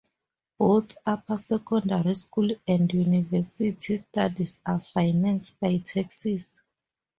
Both upper secondary school and university studies are financed by taxes.